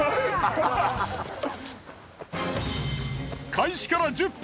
開始から１０分。